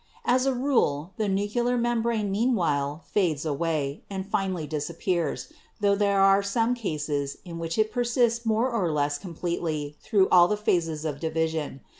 As a rule the nuclear membrane meanwhile fades away and finally disappears, tho there are some cases in which it persists more or less completely through all the phases of division.